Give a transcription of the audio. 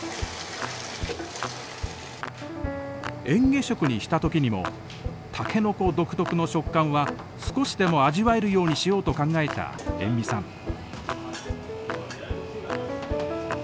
えん下食にした時にもタケノコ独特の食感は少しでも味わえるようにしようと考えた延味さん。